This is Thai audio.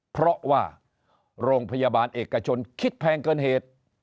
เพราะว่าโรงพยาบาลเอกชนคิดแพงเกินเหตุ